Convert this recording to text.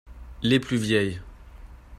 Les plus vielles.